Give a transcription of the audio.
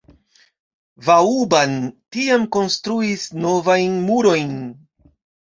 Vauban tiam konstruis novajn murojn.